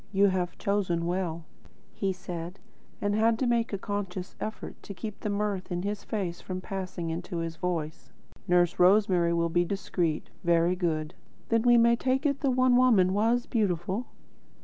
"You have chosen well," he said, and had to make a conscious effort to keep the mirth in his face from passing into his voice. "Nurse Rosemary will be discreet. Very good. Then we may take it the One Woman was beautiful?"